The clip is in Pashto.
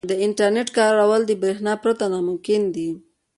• د انټرنیټ کارول د برېښنا پرته ناممکن دي.